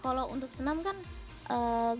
kalau untuk senam kan gak cuman kaki